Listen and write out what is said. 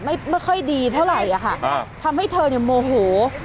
ไม่ค่อยดีเท่าไหร่อะค่ะทำให้เธอเนี่ยโมโห